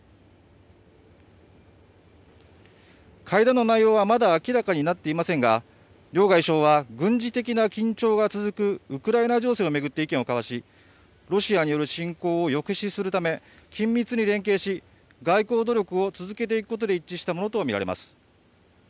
会談の内容はまだ明らかになっていませんが両外相は軍事的な緊張が続くウクライナ情勢を巡って意見を交わし、ロシアによる侵攻を抑止するため緊密に連携し外交努力を続けていくことで一致したものと見られます。